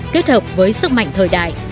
kết hợp với sức mạnh thời đại